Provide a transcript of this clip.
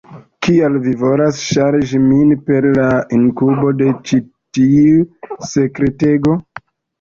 Kial vi volas ŝarĝi min per la inkubo de ĉi tiu sekretego?